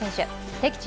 敵地